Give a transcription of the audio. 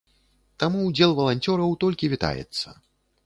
Таму ўдзел валанцёраў толькі вітаецца.